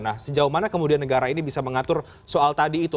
nah sejauh mana kemudian negara ini bisa mengatur soal tadi itu